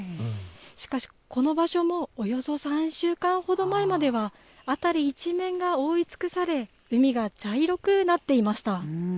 しかし、この場所もおよそ３週間ほど前までは、辺り一面が覆い尽くされ、海が茶色くなっていました。